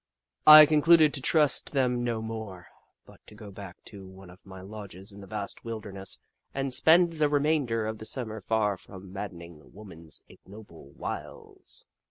I concluded to trust them no more, but to go back to one of my lodges in the vast wilderness and spend the remainder of the Summer far from madden ing woman's ignoble wiles.